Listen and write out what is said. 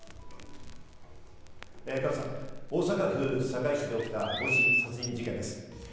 加藤さん、大阪府堺市で起きた母子殺人事件です。